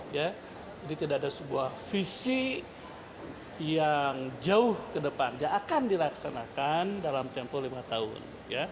jadi tidak ada sebuah visi yang jauh ke depan yang akan dilaksanakan dalam tempoh lima tahun